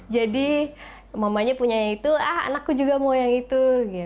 jadi mamanya punya itu anakku juga mau yang itu